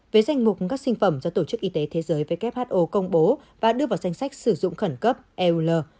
với danh mục các sinh phẩm do tổ chức y tế thế giới who công bố và đưa vào danh sách sử dụng khẩn cấp eul